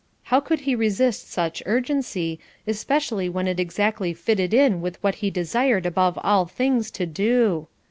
How could he resist such urgency, especially when it exactly fitted in with what he desired above all things to do.